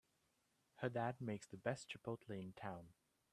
Her dad makes the best chipotle in town!